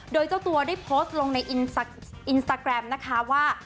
โดยเจ้าตัวได้โพสต์ลงในอินสตาแกรมนะคะว่า